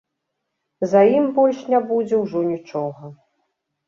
За ім больш не будзе ўжо нічога.